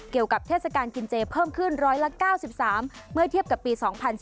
เกี่ยวกับเทศกาลกินเจเพิ่มขึ้น๑๙๓เมื่อเทียบกับปี๒๔